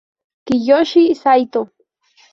Kiyoshi Saito